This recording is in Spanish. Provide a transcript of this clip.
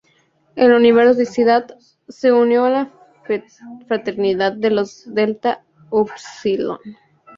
En la universidad se unió a la fraternidad de los Delta Upsilon.